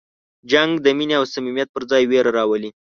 جنګ د مینې او صمیمیت پر ځای وېره راولي.